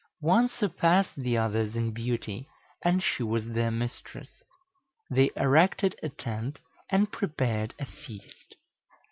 One surpassed the others in beauty, and she was their mistress. They erected a tent and prepared a feast.